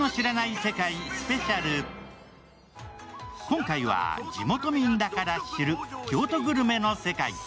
今回は、地元民だから知る京都グルメの世界。